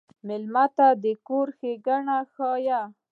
مېلمه ته د کور ښيګڼه وښیه.